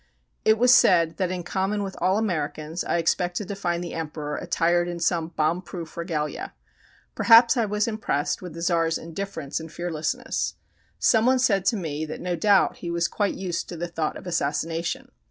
It was said that in common with all Americans I expected to find the Emperor attired in some bomb proof regalia. Perhaps I was impressed with the Czar's indifference and fearlessness. Someone said to me that no doubt he was quite used to the thought of assassination.